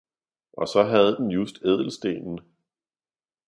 Og så havde den just ædelstenen.